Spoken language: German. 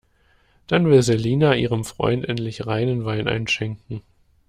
Dann will Selina ihrem Freund endlich reinen Wein einschenken.